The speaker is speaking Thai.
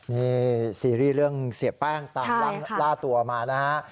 นี่ซีรีส์เรื่องเสียแป้งตามล่าตัวมานะฮะ